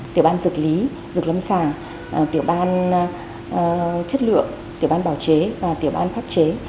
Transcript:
tiểu ban dược lý dục lâm sàng tiểu ban chất lượng tiểu ban bảo chế và tiểu ban pháp chế